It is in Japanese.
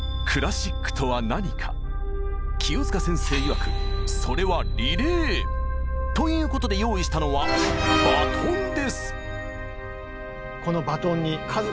清塚先生いわくそれは「リレー」！ということで用意したのはなるほど。